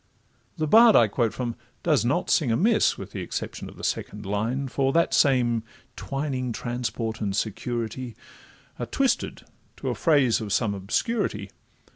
The bard I quote from does not sing amiss, With the exception of the second line, For that same twining 'transport and security' Are twisted to a phrase of some obscurity.